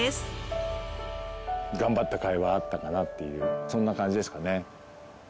頑張ったかいはあったかなっていうそんな感じですかね。